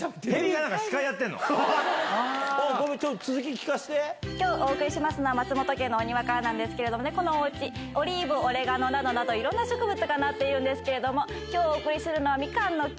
ごめん、ちょっと続き聞かせきょう、お送りしますのは松本家のお庭からなんですけれどもね、このおうち、オリーブ、オレガノ等々いろんな植物がなっているんですけれども、きょうお送りするのは、みかんの木。